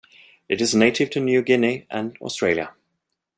It is native to New Guinea and Australia.